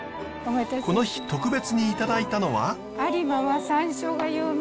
この日特別にいただいたのは。